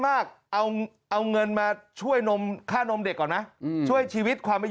มากเอาเงินมาช่วยนมค่านมเด็กก่อนนะช่วยชีวิตความไม่